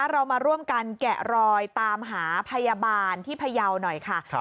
เรามาร่วมกันแกะรอยตามหาพยาบาลที่พยาวหน่อยค่ะ